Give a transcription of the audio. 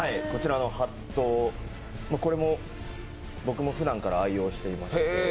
こちらのハット、これも僕もふだんから愛用していまして。